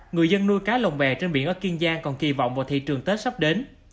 người dân nuôi cá lồng bè trên biển ở kiên giang còn kỳ vọng vào thị trường tết sắp đến